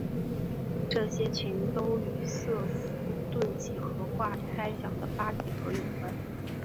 这些群都与瑟斯顿几何化猜想的八几何有关。